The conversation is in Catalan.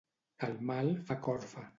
El mal fa corfa.